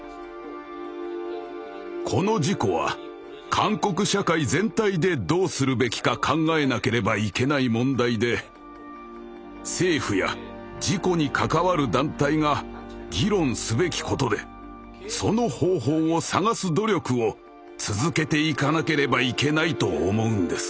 この事故は韓国社会全体でどうするべきか考えなければいけない問題で政府や事故に関わる団体が議論すべきことでその方法を探す努力を続けていかなければいけないと思うんです。